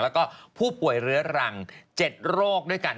แล้วก็ผู้ป่วยเรื้อรัง๗โรคด้วยกัน